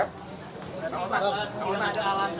kalau ada alasan jelas dari polda jabar